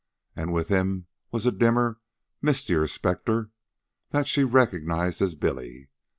And with him was a dimmer, mistier specter that she recognized as Billy.